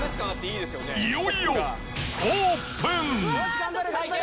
いよいよオープン。